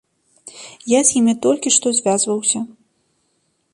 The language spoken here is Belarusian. Я з імі толькі што звязваўся.